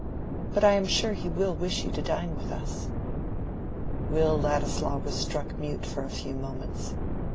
But I am sure he will wish you to dine with us." Will Ladislaw was struck mute for a few moments.